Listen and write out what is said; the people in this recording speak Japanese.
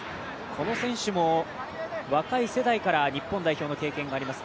この選手も、若い世代から日本代表の経験があります。